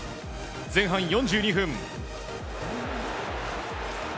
前半４２分。